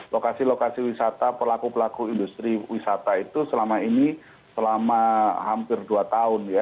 lokasi lokasi wisata pelaku pelaku industri wisata itu selama ini selama hampir dua tahun ya